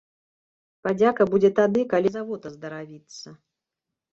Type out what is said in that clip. Падзяка будзе тады, калі завод аздаравіцца.